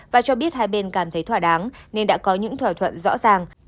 và cho biết hai bên cảm thấy thỏa đáng nên đã có những thỏa thuận rõ ràng